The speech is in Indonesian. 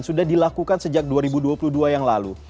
sudah dilakukan sejak dua ribu dua puluh dua yang lalu